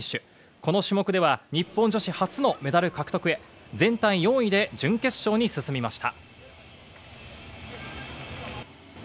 この種目では日本女子初のメダル獲得へ全体４位で準決勝に進みました。